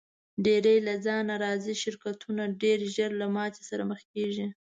ډېری له ځانه راضي شرکتونه ډېر ژر له ماتې سره مخ کیږي.